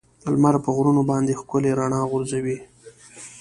لمر په غرونو باندې ښکلي رڼا غورځوي.